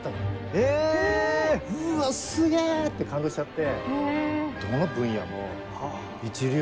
え⁉うわすげえって感動しちゃって。